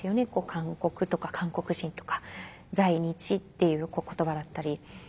「韓国」とか「韓国人」とか「在日」っていう言葉だったり。